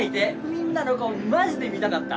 みんなの顔マジで見たかった。